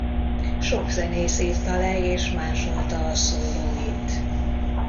Sok zenész írta le és másolta a szólóit.